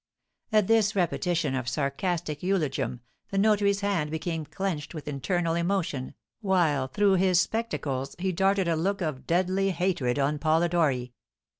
At this repetition of sarcastic eulogium, the notary's hand became clenched with internal emotion, while, through his spectacles, he darted a look of deadly hatred on Polidori.